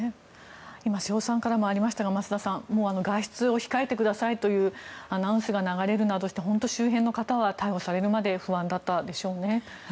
今、瀬尾さんからもありましたが、増田さん外出を控えてくださいというアナウンスが流れるなどして本当に周辺の方は逮捕されるまで不安だったでしょうね。